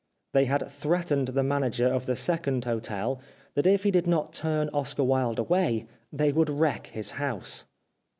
They had threatened the manager of the second hotel that if he did not turn Oscar Wilde away they would wreck his house.